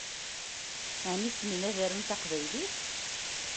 Ɛni ssnen ad arun taqbaylit?